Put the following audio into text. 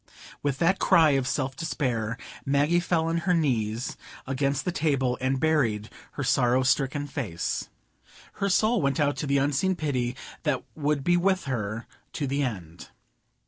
With that cry of self despair, Maggie fell on her knees against the table, and buried her sorrow stricken face. Her soul went out to the Unseen Pity that would be with her to the end.